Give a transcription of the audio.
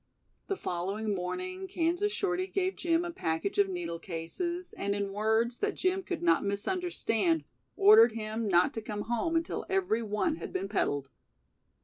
The following morning Kansas Shorty gave Jim a package of needle cases and in words that Jim could not misunderstand ordered him not to come "home" until every one had been peddled.